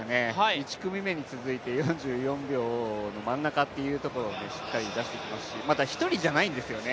１組目に続いて４４秒の真ん中っていうところをしっかり出してきてますし、また、一人じゃないんですよね。